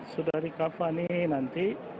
sudah dikakvani nanti